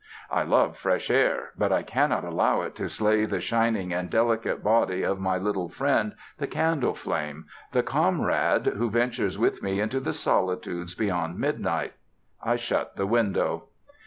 I love fresh air, but I cannot allow it to slay the shining and delicate body of my little friend the candle flame, the comrade who ventures with me into the solitudes beyond midnight. I shut the window.